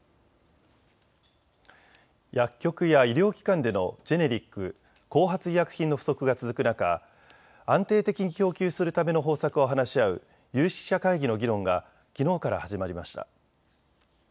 薬局や医療機関でのジェネリック・後発医薬品の不足が続く中、安定的に供給するための方策を話し合う有識者会議の議論がきのうから始まりました。